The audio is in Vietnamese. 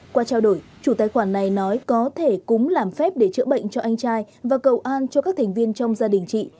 qua trao đổi chủ tài khoản này nói có thể cúng làm phép để chữa bệnh cho anh trai và cầu an cho các thành viên trong gia đình chị